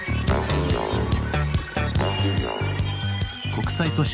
国際都市